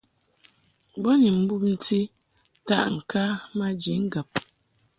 Bo ni mbumti taʼŋka maji ŋgab.